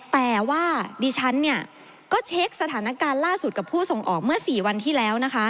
แต่ว่าดิฉันก็เช็คสถานการณ์ล่าสุดกับผู้ส่งออกเมื่อ๔วันที่แล้วนะคะ